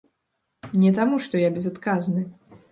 Не таму, што я безадказны.